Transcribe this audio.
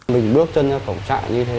mình bước chân ra cổng trại như thế